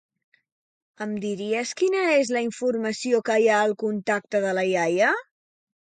Em diries quina és la informació que hi ha al contacte de la iaia?